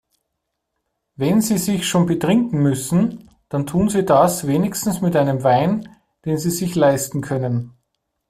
Wenn Sie sich schon betrinken müssen, dann tun Sie das wenigstens mit einem Wein, den Sie sich leisten können.